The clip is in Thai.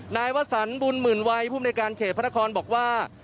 นายวสรรบุญหมื่นวัยผู้บริการเขตพนครบอกว่า